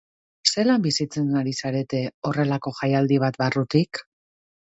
Zelan bizitzen ari zarete horrelako jaialdi bat barrutik?